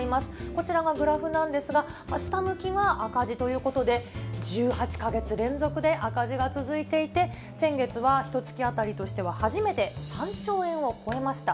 こちらがグラフなんですが、下向きが赤字ということで、１８か月連続で赤字が続いていて、先月はひとつき当たりとしては初めて３兆円を超えました。